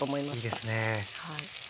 いいですね。